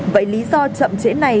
vậy lý do chậm trễ này